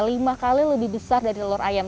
lima kali lebih besar dari telur ayam